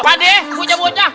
pade bucah bucah